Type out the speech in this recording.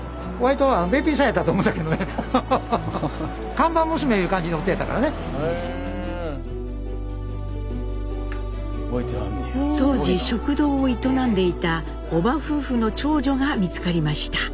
当時食堂を営んでいた叔母夫婦の長女が見つかりました。